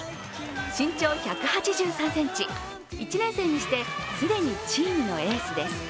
身長１８３ｃｍ、１年生にして既にチームのエースです。